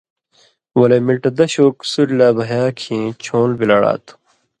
ولے مِلٹہ دش اوک سُریۡ لا بھیا کھیں چھون٘ل بِلاڑا تُھو۔